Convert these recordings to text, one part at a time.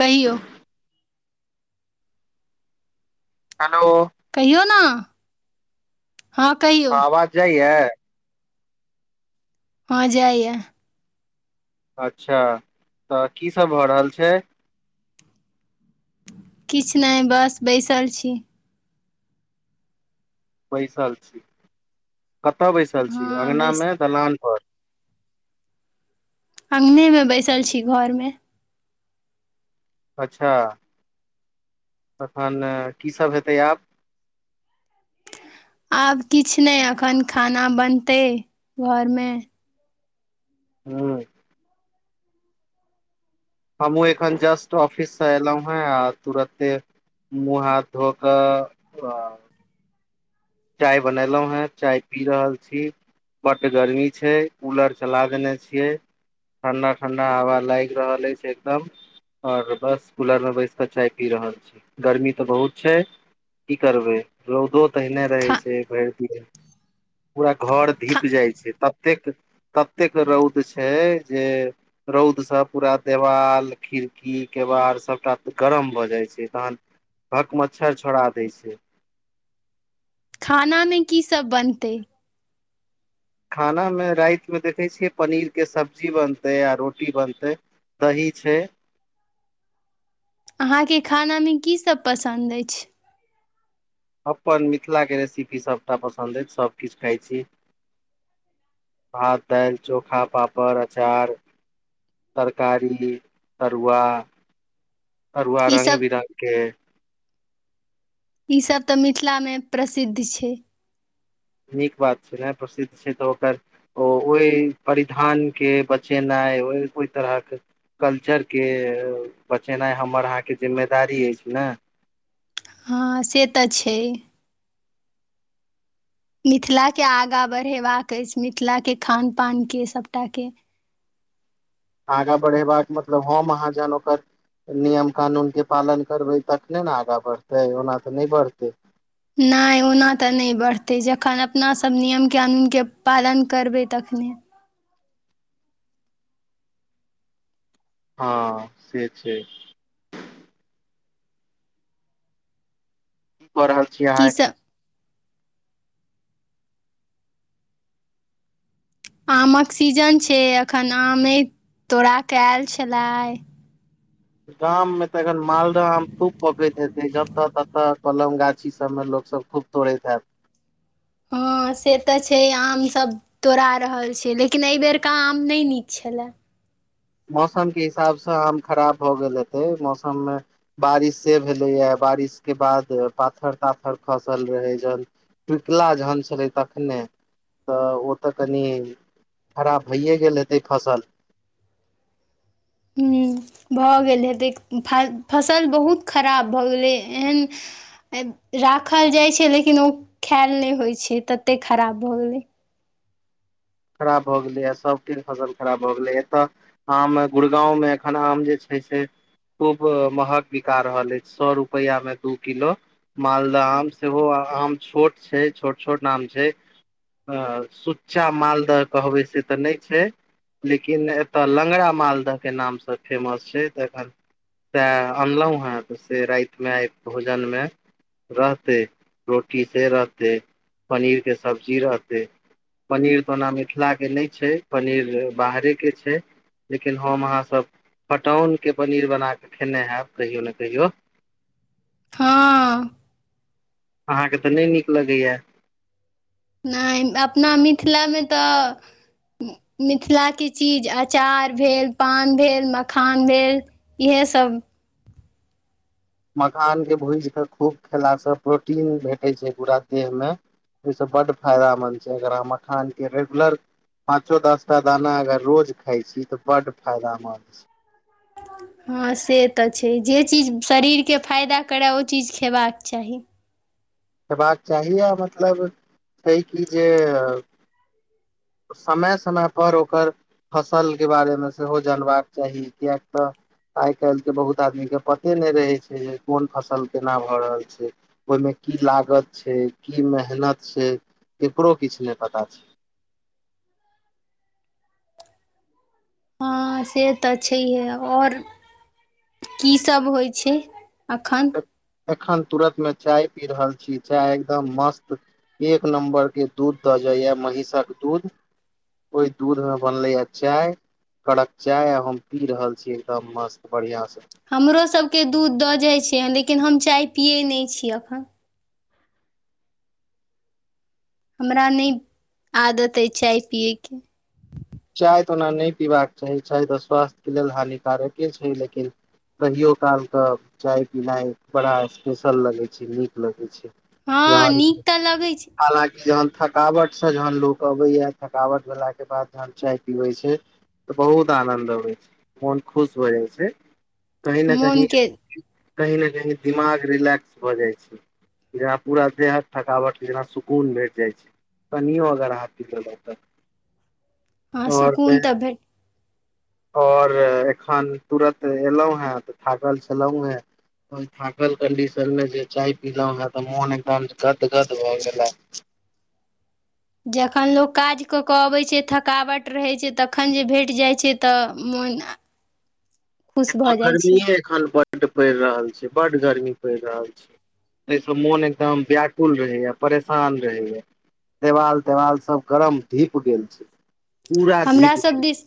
कहियौ हेलो कहियौ ना आवाज जाइयै हँ जाइयै अच्छा तऽ कीसब भऽ रहल छै किछ नय बस बैसल छी बैसल छी कतय बैसल छी हँ अगना बैस मे दलान पर अगने मे बैसल छी घर मे अच्छा तखन ने कीसब हेतै आब आब किछ नय अखन खाना बनतै घर मे हँ हमू एखन जस्ट ऑफिस एलउ है आ तूरते मुँह हाथ धो कऽ आ चाय बनेलऊ हेँ चाय पी रहल छी बड गर्मी छै कूलर चला देने छियै ठंडा ठंडा हवा लाइग रहल अछि एकदम आओर बस कूलर मे बैस कऽ चाय पी रहल छी गर्मी तऽ बहुत छै की करबै रौदो तऽ एने रहै खा छै भरि दिन पूरा घर खा धीप जाइ छै ततेक ततेक रौद छै जे रौदस पूरा देवाल खिड़की केबाड़ सबटा गरम भऽ जाइ छै तहन भक मच्छर छोड़ा दै छै खानामे की सब बनतै खानामे रातमे देखै छियै पनीर के सब्जी बनतै आ रोटी बनतै दही छै अहाँके खानामे कीसब पसन्द अछि अपन मिथिलाके रेसिपी सबटा पसन्द अछि सबकिछ खाइ छी भात दालि चोखा पापड़ अचार तरकारी तरुआ तरुआ ई रंग सब बिरंगके ईसभ तऽ मिथिलामे प्रसिद्ध छै नीक बात छै ने प्रसिद्ध छै तऽ ओकर ओ ओहि परिधानके बचेनाई आई ओइ तरहके कल्चरके बचेनाइ हमर अहाँके जिम्मेदारी अछि ने हाँ से तऽ छै मिथिलाके आगाँ बढ़ेबाक अछि मिथिलाके खान पानके सबटाके आगाँ बढ़ेबाक मतलब हम अहाँ जान ओकर नियम कानूनके पालन करबै तखने ने आगाँ बढ़तै ओना तऽ नहि बढ़तै नहि ओना तऽ नहि बढ़तै जखन अपनासब नियम कानूनके पालन करबै तखन अपने हाँ से छै कऽ रहल छी की अहाॅं सब आमक सीजन छै एखन आमे तोड़ा कऽ आयल छलै गाम मे तऽ एखन मालदाह आ खूब पकैत हे जतऽ ततऽ कलम गाछी सबमे लोक सब खूब तोड़ै हैत हाँ हाँ से तऽ छै आमसब तोड़ा रहल छै लेकिन एहिबरके आम नहि नीक छलए मौसम के हिसाबसे आम खराब भ गेल हेतै मौसममे बारिश से भेलैए बारिश के बाद पाथर ताथर खसल रहै जन टिकला जहन छलै तखने तऽ ओ तऽ कनि खराब भइए गेल हेतै फसल भऽ गेल हेतेक फ फसल बहुत खराब भऽ गेलै एहन राखल जाइत छै लेकिन ओ खायल नहि होइ छै ततेक खराब भऽ गेलै खराब भए गेले आ सबके फसल खराब भए गेले एतऽ आम गुड़गांव मे एखन आम जे छै से खूब महग बिका रहल अछि सौ रुपैया मे दू किलो मालदाह आम सेहो आम छोट छै छोट छोट आम छै ह सुच्चा मालदह कहबै से तऽ नहि छै लेकिन एतय लंगरा मालदहके नामसे फेमस छै तऽ एखन तऽ अनलहुँ हे त से रातमे आई भोजनमे रहतै रोटी से रहतै पनीर के सब्जी रहतै पनीर तऽ ओना मिथिलाके नहि छै पनीर बाहरेके छै लेकिन हम अहाँसब फटौनके पनीर बना कऽ खेने हेब कहियो ने कहियो हाँ अहाँके तऽ नहि नीक लगैए नहि अपना मिथिलामे तऽ मिथिला के चीज अचार भेल पान भेल मखान भेल इहे सब मखानके भूजि कऽ खूब खेलासे प्रोटीन भेटैत छै पूरा देहमे ओहिसँ बड्ड फायदामन्द छै अरह मखानके रेगुलर पाँचो दसटा दाना अगर रोज खाइ छी त बड फायदामन्द छै [unintelligible] हँ से त छै जे चीज शरीरके फायदा करय ओ चीज खेबाक चाही खेबाक चाही आ मतलब छै कि जे समय समय पर ओकर फसल के बारेमे सेहो जनबाक चाही किएक त आइ काल्हिके बहुत आदमीके पते नहि रहैत छै जे कोन फसल केना भ रहल छै ओहिमे की लागत छै की मेहनत छै केकरो किछ नहि पता छै [inaudible] हँ से त छैहे ओर कीसभ होइ छै अखन एख- एखन तुरत मे चाय पी रहल छी चाय एकदम मस्त एक नंबर के दूध दजइया महिषक दूध ओहि दूधमे बनलैया चाय कड़क चाय हम पी रहल छी एकदम मस्त बढ़ियां स हमरो सबके दूध द जाइ छै लेकिन हम चाय पियै नहि छी अखन हमरा नहि आदत अइ चाय पियैके चाय त ओना नहि पीबाक चाही चाय त स्वास्थ्य के लेल हानिकारके छै लेकिन कहियो काल के चाय पिनाइ बड़ा स्पेशल लगै छै नीक लगै छै हँ जहल नीक तऽ लगै छै हलांकी जहन थकावटस जहन लोक अबैय थकावट भेलाके बाद चाय पिबै छै त बहुत आनंद अबै छै मोन खुश भ जाइ छै कही न कही मोनके कही न कही दिमाग रिलैक्स भ जाइ छै जेना पूरा देहात थकावट जेना सुकून भेट जाइ छै कनियो अगर हात पितर रहै त हँ सुकून त भे और एखन तुरत एयलहुँ हे त थाकल छलहुँ हे ओइ थाकल कन्डीशनमे जे चाय पीलहु हे त मोन एकदम गदगद भ गेल हे जखन लोक काज क क अबै छै थकावट रहै छै तखन जे भेट जाइ छै त मो न एत गर्मीये एखन बड पड़ि रहल छै बड गर्मी पड़ि रहल छै एहिस मोन एकदम व्याकुल रहैया परेशान रहैया देवाल तेवाल सब गरम धीप गेल छै पूरा हमरा धीप सब गेल छै दिस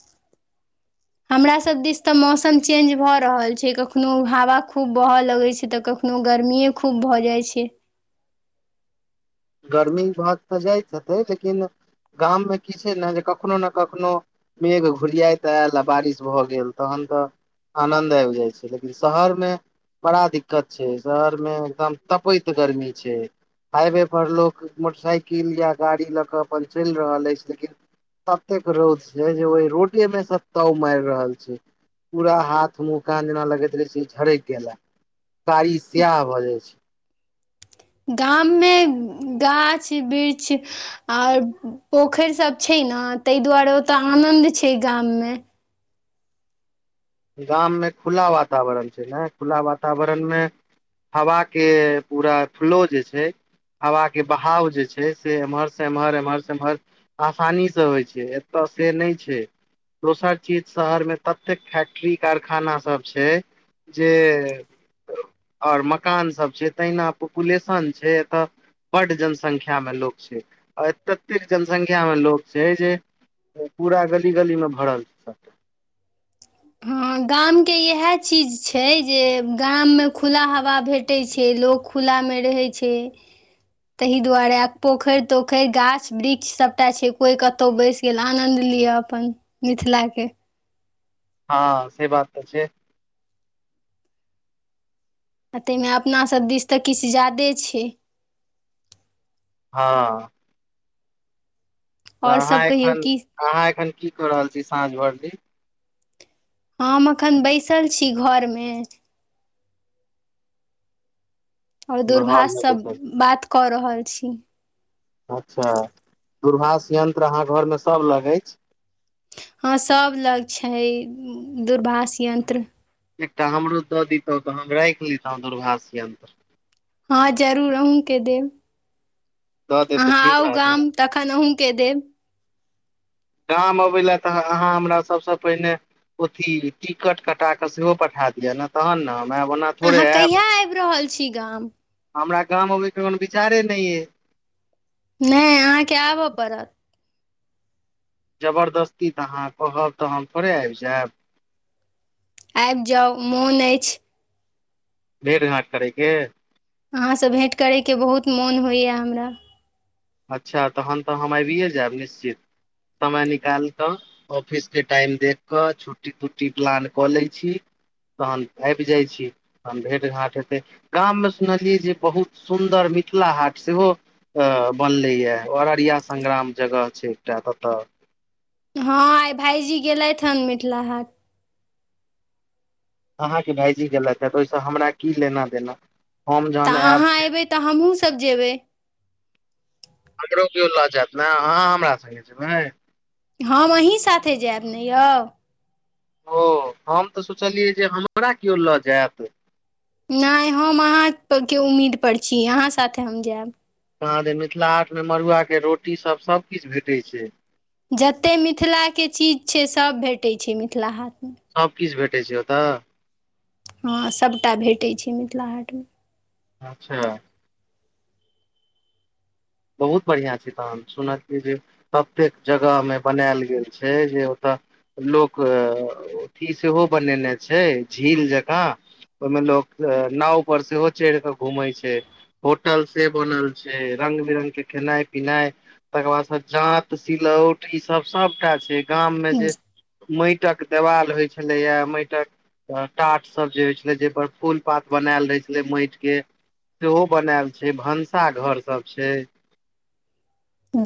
हमरा सब दिस त मौसम चेंज भ रहल छै कखनो हवा खूब बह लगै छै त कखनो गर्मीेये खूब भ जाइ छै गर्मी भाग त जाइत हेतै लेकिन गाम मे की छै न जे कखनो न कखनो मेघ घुरियाइत आयल आ बारिश भ गेल तहन हन त आनन्द आबि जाइ छै लेकिन शहरमे बड़ा दिक्कत छै शहर मे एकदम तपैत गर्मी छै हाइवे पर लोक मोटरसाइकिल या गाड़ी ल क अपन चलि रहल अछि लेकिन ततेक रउद छै जे ओइ रोडेमे स ताउ मरि रहल छै पूरा हाथ मुँह कान जेना लगैत रहै छै झरक गेला कारी सियाह भ जाइ छै गाम मे गाछ वृक्ष आर पोखरि सब छै न तहि दुआरे ओत आनंद छै गाममे गाममे खुला वातावरण छै ने खुला वातावरणमे हवाके पूरा फ्लो जे छै हवाके बहाव जे छै से एम्हर स एम्हर एम्हर स एम्हर आसानी से होइ छै एत से नै छै दोसर चीज शहरमे ततेक फैकटी फै्टी कारखाना सब छै जे ओर मकानसभ छै तहिना पॉपुलेशन छै एतय बड्ड जनसंख्यामे लोक छै आ ततेक जनसंख्यामे लोक छै जे पूरा गली गलीमे भरल हँ गामके इएह चीज छै जे गाममे खुला हवा भेटै छै लोक खुला ामे रहै छै तहि दुआरे पोखैर तोखैर गाछ वृक्ष सभटा छै कोई कतौ बैस गेल आनद लि अपन मिथिला के हँ से बात तऽ छै आ ताहिमे अपनासभ दिस तऽ किछु जा्यदे छै हँ तऽ आओर अहाँ सभ कहियौ एखन की अहाँ एखन की कऽ रहल छी साँझ भर दिन हम अखन बैसल छी घरमे ओर दिन घर मे दूरभाषसँ बैसल बात कऽ रहल छी अच्छा दूर्भाष यन्त्र अहाँ घरमे सभ लगैछ हँ सभ लग छै दूरभाष यन्त्र एकटा हमरो दऽ दतहु तऽ हम राखि लतहु दूर्भाष्यन्त हाँ जरूर अहौ के देब दऽ देब तऽ अहाँ ठीक आउ रहत गाम तखैन अहुँ केदेब गाम अबै लए तऽ अहाँ हमरा सभसँ पहिने ओथी टिकट कटा के सेहो पठा दिअ ने तहन ने हम आयब ओना थोड़े अहाँ आयब कहिया आब रहल छी गाम हमरा गामवमे अबहिके कोनो विचारे नहि अइ नहि अहाँके आबय पड़त जबरदस्ती तऽ अहाँ कहब तऽ हम थोड़े आब जायब आब जाउ मोन अछि भेट घाट करेके अहाँसँ भेँट करयके बहुत मोन होइए हमरा अच्छा तखन तऽ हम अबिये जायब निश्चित समय निकाल त ऑफिसके टाइम देख कऽ छुट्टी तुट्टी प्लान कऽ लै छी तहन आब जाइ छी तहन भेट घाट हेतै गाममे सुनलियै जे बहुत सुन्दर मिथिला हाट सेहो अ बनले या अररिया संग्राम जगह छै एकटा ततऽ हँ आइ भाायजी गेलय थन मिथिला हाट अहाँके भायजी गेलथि हेऽ ओहिसँ हमरा की लेना देना हम जहन तऽ आयब अहाँ एयबै तऽ हमूहूँ सभ जेबै कगरो केओ लऽ जायत ने अहाँ हमरा सङ्गे जेबै हम अही साथे जायब ने यौ ओ हम तऽ सोचलियै जे हमरा किओ लऽ जायत नैय हम अहाँके उम्मीद पर छी अहाँ साथे हम जायब कहाँ जे मिथिला हाटमे मड़ुआके रोटीसभ सभकूछु भेटैत छै जते मिथिलाके चीज छै सभ भेटैत छै मिथिला हाट मे सभकिछ भेटैत छै ओतय हँ सभटा भेटै छै मिथिला हाटमे अच्छा बहुत बढ़िआँ छैितान सुनलिय जे ततेक जगहमे बनाल गेल छै जे ओतय लोक अथी सेहो बनेने छै झील जकाँ ओहमे लोको नाव पर सेहो चैढ़ के घूमै छै होटल से बनल छै रंग बिरंग के खेनाइ पिनाइ तकर बाद जांत सिलौट ई सब सबटा छै गाम में जे माटिक देवाल होइत छलैएा माटिक तऽ टाटसभ जे होइ छलै जाहिपर फूल पात बनायल रहै छलै माटिके सेहो बनायल छै भनसा घर सभ छै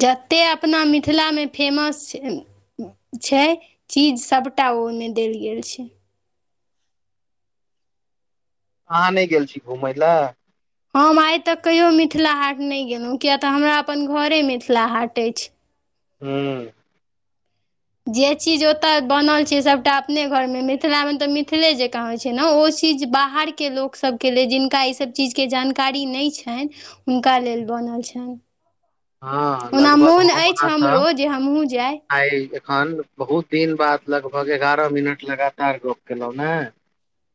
जते अपना मिथिलामे फेमस छै चीज सभटा टा ओहिमे देल गेल छै अहाँ नहि गेल छी घुमय लए हम आइ तक कहियो मिथिला हाट नहि गेलहुँ किय तऽ हमरा अपन घरे मिथिला हाट अछि हू जे चीज ओतय बनल छै सभटा अपने घरमे मिथिलामे तऽ मिथिले जकाँ होइत छै ने ओ चिज बाहर के ल सब के लेल जिनका ई सब चीज के जानकारी नहि छेनि हुनका लेल हँ ओना लगभग मोन हम अछि अहाँ हमरो जे हमहुँ जाय अखन बहुत दिन बाद लगभग ग्यारह मिनट लगातार गप केलहुँ ने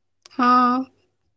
हँ